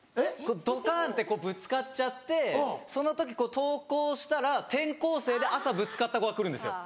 ドカンってぶつかっちゃってその時登校したら転校生で朝ぶつかった子が来るんですよ。